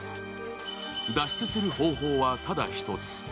脱出する方法はただ一つ。